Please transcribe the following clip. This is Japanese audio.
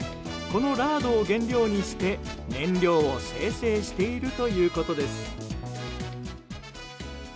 このラードを原料にして燃料を精製しているということです。